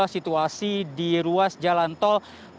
situasi di ruas jalan tol